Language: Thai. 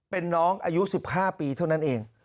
เป็นน้องอายุ๑๕ปีเท่านั้นเอง